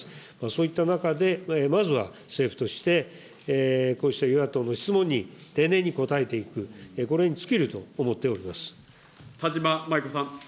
そういった中で、まずは政府として、こうした与野党の質問に丁寧に答えていく、これに尽きると思田島麻衣子さん。